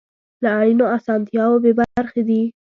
له اړینو اسانتیاوو بې برخې دي.